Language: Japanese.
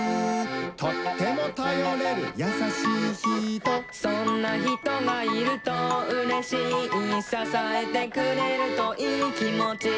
「とってもたよれるやさしいひと」「そんなひとがいるとうれしい」「ささえてくれるといいきもち」